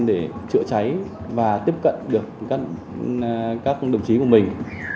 để chữa cháy và tiếp cận được các đồng chí của mình